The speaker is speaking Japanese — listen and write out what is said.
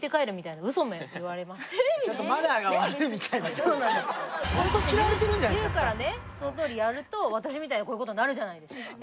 そういうこと言うからねそのとおりやると私みたいにこういうことになるじゃないですか。